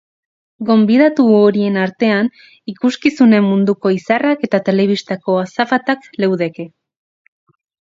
Gonbidatu horien artean ikuskizunen munduko izarrak eta telebistako azafatak leudeke.